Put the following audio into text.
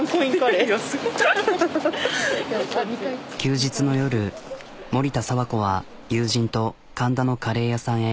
休日の夜森田佐和子は友人と神田のカレー屋さんへ。